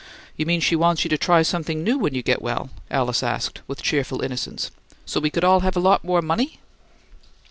"You mean she wants you to try something new when you get well?" Alice asked, with cheerful innocence. "So we could all have a lot more money?"